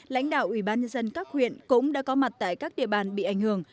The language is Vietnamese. lãnh đạo ủy ban nhân dân các huyện cũng đã có mặt tại các địa bàn bị ảnh hưởng